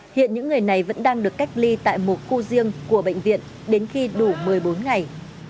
hiện những người này vẫn đang được cách ly tại một khu riêng của bệnh viện đến khi đủ một mươi bốn ngày